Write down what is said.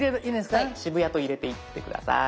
はい渋谷と入れていって下さい。